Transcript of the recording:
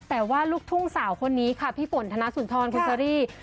แต่ว่าลูกทุ่งสาวคนนี้ค่ะพี่ฝนธนสุนทรคุณเชอรี่